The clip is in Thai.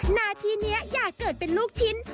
นาทีนี้อย่าเกิดเป็นลูกชิ้น